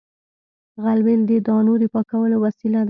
غلبېل د دانو د پاکولو وسیله ده